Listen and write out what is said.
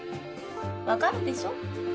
わかるでしょ？